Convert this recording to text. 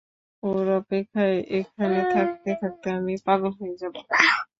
ওর অপেক্ষায় এখানে থাকতে থাকতে আমি পাগল হয়ে যাবো।